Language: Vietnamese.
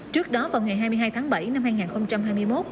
trước đó vào ngày hai mươi hai tháng bảy năm hai nghìn hai mươi một